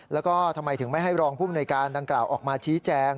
แล้วก็ทำไมถึงไม่ให้รองภูมิหน่วยการดังกล่าวออกมาชี้แจง